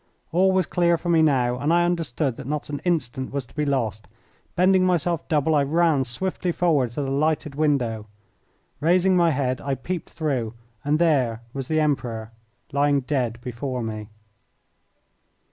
All was clear for me now and I understood that not an instant was to be lost. Bending myself double I ran swiftly forward to the lighted window. Raising my head I peeped through, and there was the Emperor lying dead before me.